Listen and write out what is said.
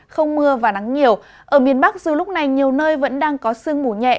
không mưa và nắng nhiều ở miền bắc dù lúc này nhiều nơi vẫn đang có sương mù nhẹ